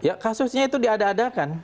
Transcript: ya kasusnya itu diadakan